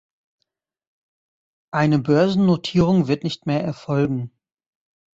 Eine Börsennotierung wird nicht mehr erfolgen.